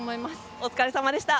お疲れさまでした。